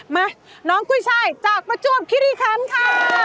มาน้องกุ้ยช่ายจากประจวบคิริคันค่ะ